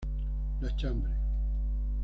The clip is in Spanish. La Chambre